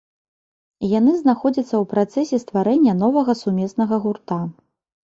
Яны знаходзяцца у працэсе стварэння новага сумеснага гурта.